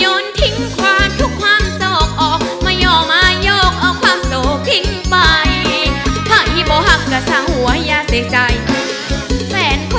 ย้อนทิ้งความทุกความโสขออกไม่ยอมมายกออกความโสขทิ้งความโสขออกไม่ยอมมายกออกความโสข